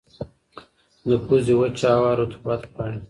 د پوزې وچه هوا رطوبت غواړي.